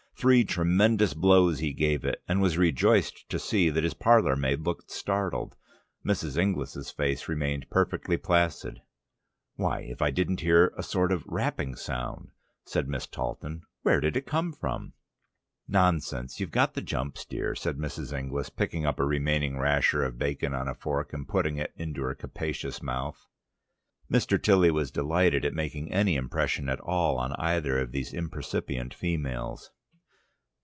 Three tremendous blows he gave it, and was rejoiced to see that his parlour maid looked startled. Mrs. Inglis's face remained perfectly placid. "Why, if I didn't hear a sort of rapping sound," said Miss Talton. "Where did it come from?" "Nonsense! You've the jumps, dear," said Mrs. Inglis, picking up a remaining rasher of bacon on a fork, and putting it into her capacious mouth. Mr. Tilly was delighted at making any impression at all on either of these impercipient females.